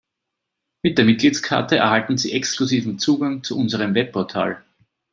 Mit der Mitgliedskarte erhalten Sie exklusiven Zugang zu unserem Webportal.